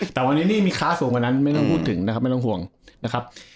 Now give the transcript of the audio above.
แต่วันนี้นี่มีค้าสูงกว่านั้นไม่ต้องพูดถึงนะครับไม่ต้องห่วงนะครับ